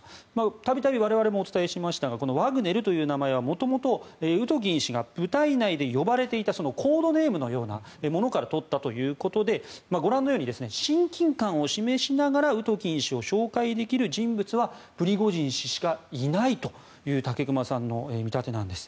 度々、我々もお伝えしましたがワグネルという名前は元々、ウトキン氏が部隊内で呼ばれていたコードネームのようなものから取ったということでご覧のように親近感を示しながらウトキン氏を紹介できる人物はプリゴジン氏しかいないという武隈さんの見立てなんです。